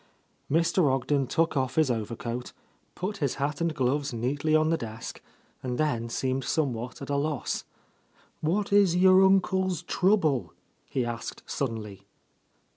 Mr. Ogden took off his over coat, put his hat and gloves neatly on the desk, and then seemed somewhat at a loss. "What is your uncle's trouble?" he asked suddenly.